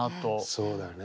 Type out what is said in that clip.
そうだね。